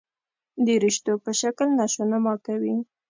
درشتو په شکل نشونما کوي.